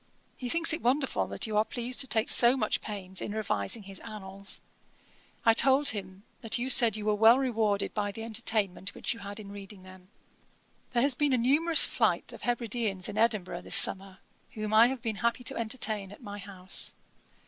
He thinks it wonderful that you are pleased to take so much pains in revising his Annals. I told him that you said you were well rewarded by the entertainment which you had in reading them.' 'There has been a numerous flight of Hebrideans in Edinburgh this summer, whom I have been happy to entertain at my house.